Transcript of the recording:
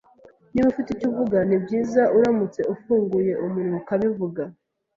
Niba ufite icyo uvuga, nibyiza uramutse ufunguye umunwa ukabivuga.